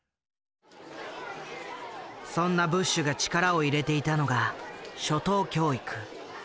そんなブッシュが力を入れていたのが初等教育。